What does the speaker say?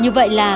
như vậy là